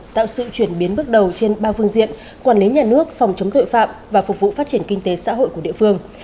tạo sự chuyển biến bước đầu trên ba phương diện quản lý nhà nước phòng chống tội phạm và phục vụ phát triển kinh tế xã hội của địa phương